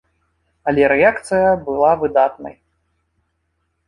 Але рэакцыя была выдатнай.